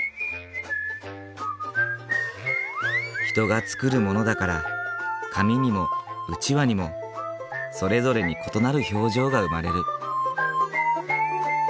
人が作るものだから紙にもうちわにもそれぞれに異なる表情が生まれる。